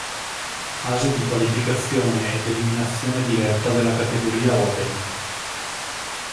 Fasi di qualificazione ed eliminazione diretta della Categoria Open.